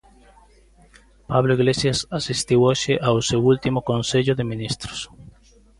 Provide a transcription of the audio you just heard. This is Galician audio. Pablo Iglesias asistiu hoxe ao seu último Consello de Ministros.